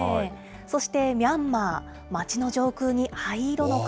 そしてミャンマー、街の上空に灰色の雲。